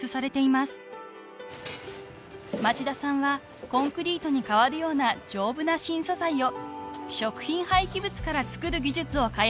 ［町田さんはコンクリートに代わるような丈夫な新素材を食品廃棄物から作る技術を開発しました］